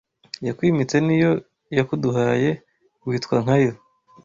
Iyakwimitse ni yo yakuduhaye witwa nka Yo